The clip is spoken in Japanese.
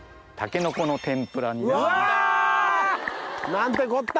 何てこった！